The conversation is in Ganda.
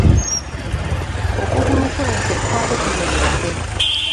Okugulu kw'entebe kwali kumenyese